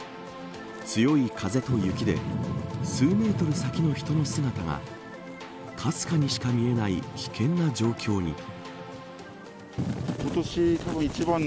強い風と雪で数メートル先の人の姿がかすかにしか見えない危険な状況に。